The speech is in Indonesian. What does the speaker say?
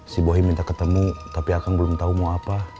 si bohi minta ketemu tapi akan belum tahu mau apa